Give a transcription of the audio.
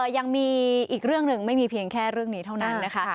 ยังมีอีกเรื่องหนึ่งไม่มีเพียงแค่เรื่องนี้เท่านั้นนะคะ